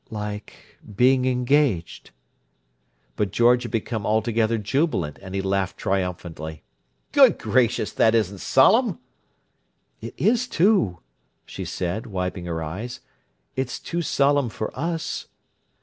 "Like—being engaged." But George had become altogether jubilant, and he laughed triumphantly. "Good gracious, that isn't solemn!" "It is, too!" she said, wiping her eyes. "It's too solemn for us."